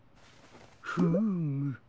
フーム。